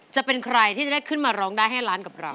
จะเป็นใครที่จะได้ขึ้นมาร้องได้ให้ล้านกับเรา